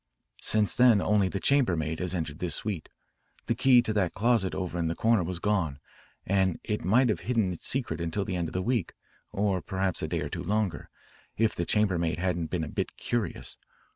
"Since then only the chambermaid has entered this suite. The key to that closet over in the corner was gone, and it might have hidden its secret until the end of the week or perhaps a day or two longer, if the chambermaid hadn't been a bit curious.